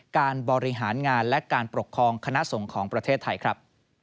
การบริหารงานและการปกครองคณะสงฆ์ของประเทศไทยครับ